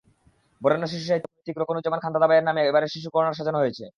বরেণ্য শিশুসাহিত্যিক রোকনুজ্জামান খান দাদাভাইয়ের নামে এবারের শিশু কর্নার সাজানো হয়েছে।